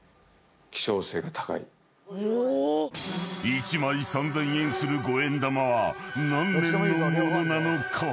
［１枚３，０００円する五円玉は何年の物なのか？］